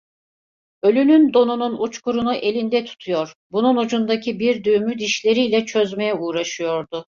Ölünün donunun uçkurunu elinde tutuyor, bunun ucundaki bir düğümü dişleriyle çözmeye uğraşıyordu.